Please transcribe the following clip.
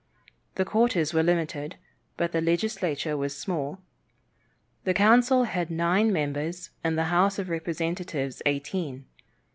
The quarters were limited, but the legislature was small. The council had nine members and the house of representatives eighteen.